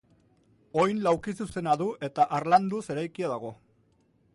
Oin laukizuzena du eta harlanduz eraikia dago.